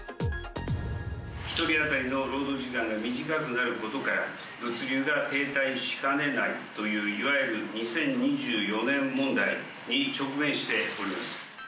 １人当たりの労働時間が短くなることから、物流が停滞しかねないという、いわゆる２０２４年問題に直面しております。